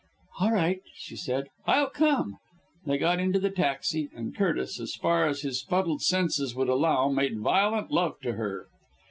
"All right," she said. "I'll come." They got into the taxi and Curtis, as far as his fuddled senses would allow, made violent love to her.